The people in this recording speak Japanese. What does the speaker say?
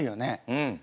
うん！